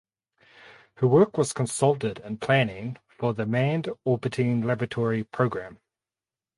Her work was consulted in planning for the Manned Orbiting Laboratory Program.